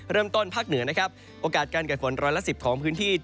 เริ่มต้นภาคเหนือนะครับโอกาสการกัดฝน๑๐๐ละ๑๐ของพื้นที่